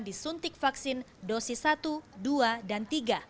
disuntik vaksin dosis satu dua dan tiga